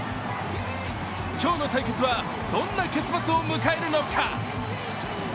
今日の対決はどんな結末を迎えるのか。